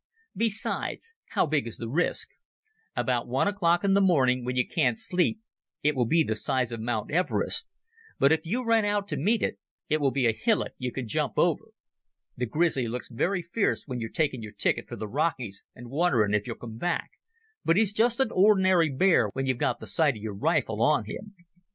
Besides, how big is the risk? About one o'clock in the morning, when you can't sleep, it will be the size of Mount Everest, but if you run out to meet it, it will be a hillock you can jump over. The grizzly looks very fierce when you're taking your ticket for the Rockies and wondering if you'll come back, but he's just an ordinary bear when you've got the sight of your rifle on him.